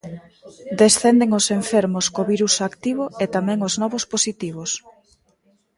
Descenden os enfermos co virus activo e tamén os novos positivos.